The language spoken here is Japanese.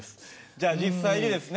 じゃあ実際にですね